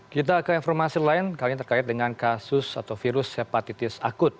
kita ke informasi lain kali ini terkait dengan kasus atau virus hepatitis akut